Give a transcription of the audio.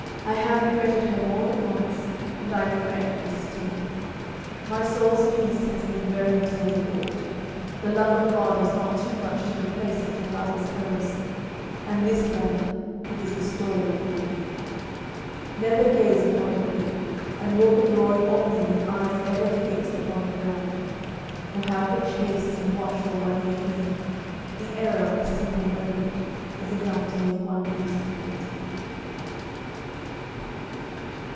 I have regretted her more than once, and I regret her still. My soul's peace has been very dearly bought. The love of God was not too much to replace such a love as hers. And this, brother, is the story of my youth. Never gaze upon a woman, and walk abroad only with eyes ever fixed upon the ground; for however chaste and watchful one may be, the error of a single moment is enough to make one lose eternity.